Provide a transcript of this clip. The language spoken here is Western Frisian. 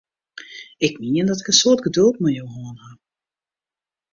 Ik mien dat ik in soad geduld mei jo hân ha!